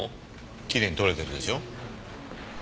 きれいに撮れてるでしょ。